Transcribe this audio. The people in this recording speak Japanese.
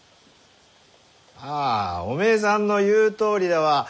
ああおめえさんの言うとおりだわ。